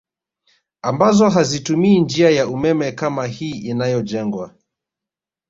Ambazo hazitumii njia ya umeme kama hii inayojengwa